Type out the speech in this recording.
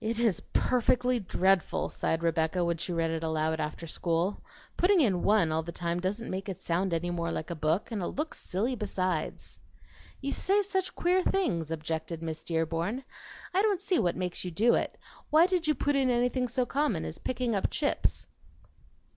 "It is perfectly dreadful," sighed Rebecca when she read it aloud after school. "Putting in 'one' all the time doesn't make it sound any more like a book, and it looks silly besides." "You say such queer things," objected Miss Dearborn. "I don't see what makes you do it. Why did you put in anything so common as picking up chips?"